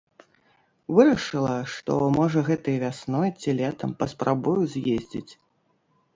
Вырашыла, што можа гэтай вясной ці летам паспрабую з'ездзіць.